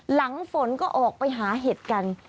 หลังฝนก็ออกไปหาเห็ดกัน